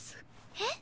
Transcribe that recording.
えっ！？